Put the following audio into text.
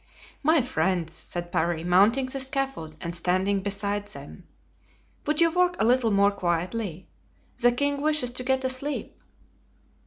"My friends," said Parry, mounting the scaffold and standing beside them, "would you work a little more quietly? The king wishes to get a sleep."